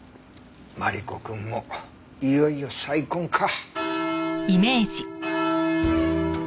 マリコくんもいよいよ再婚か。